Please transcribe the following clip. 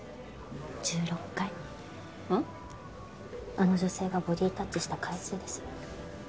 あの女性がボディータッチした回数です。